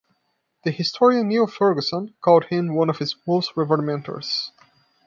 The historian Niall Ferguson called him one of his "most revered mentors".